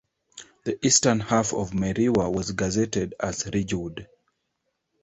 The eastern half of Merriwa was gazetted as Ridgewood.